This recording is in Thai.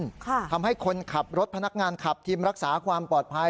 ทำให้คนขับรถพนักงานขับทีมรักษาความปลอดภัย